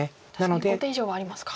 確かに５手以上はありますか。